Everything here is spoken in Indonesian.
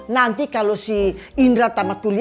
nanti kalau si indra tamat kuliah